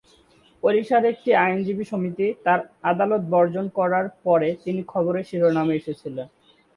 ওড়িশার একটি আইনজীবী সমিতি তাঁর আদালত বর্জন করার পরে তিনি খবরের শিরোনামে এসেছিলেন।